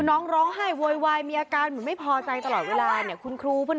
น้องร้องไห้ว๊ายมีอาการเหมือนไม่พอใจตลอดเวลาเนี่ย